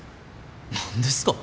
何ですか？